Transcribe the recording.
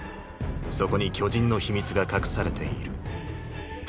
そこに巨人の秘密が隠されている。